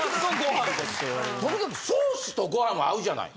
とにかくソースとご飯は合うじゃない？